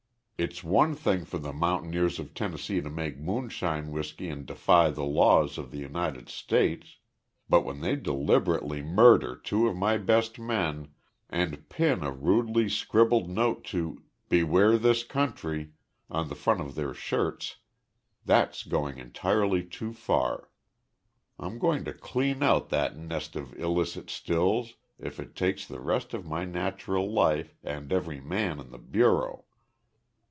It's one thing for the mountaineers of Tennessee to make moonshine whisky and defy the laws of the United States. But when they deliberately murder two of my best men and pin a rudely scribbled note to 'Bewair of this country' on the front of their shirts, that's going entirely too far. I'm going to clean out that nest of illicit stills if it takes the rest of my natural life and every man in the bureau!